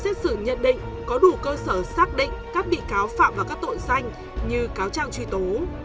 xét xử nhận định có đủ cơ sở xác định các bị cáo phạm vào các tội danh như cáo trang truy tố